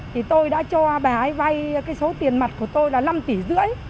thì tôi đã cho bà ấy vây cái số tiền mặt của tôi là năm tỷ rưỡi